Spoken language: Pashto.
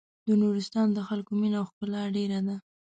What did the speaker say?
د نورستان د خلکو مينه او ښکلا ډېره ده.